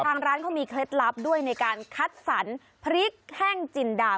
ทางร้านเขามีเคล็ดลับด้วยในการคัดสรรพริกแห้งจินดา